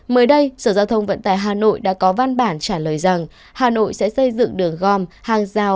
mới đây sở giao thông vận tải hà nội đã có văn bản trả lời rằng hà nội sẽ xây dựng đường gom hàng rào